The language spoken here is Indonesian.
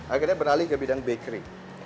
akhirnya beralih ke bidang bakery